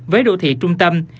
với đô thị trung tâm